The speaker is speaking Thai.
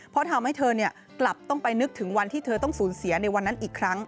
เพราะทำให้เธอกลับต้องไปนึกถึงวันที่เธอต้องสูญเสียในวันนั้นอีกครั้ง